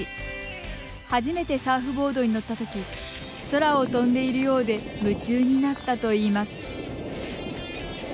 初めてサーフボードに乗ったとき空を飛んでいるようで夢中になったと言います。